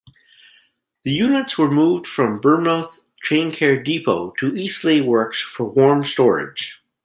The units were moved from Bournemouth Traincare Depot to Eastleigh Works for warm storage.